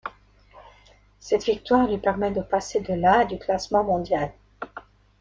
Cette victoire lui permet de passer de la à du classement mondial.